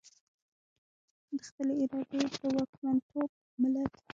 د خپلې ارادې د واکمنتوب ملت.